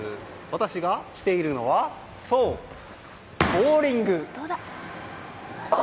私がしているのはそう、ボウリング。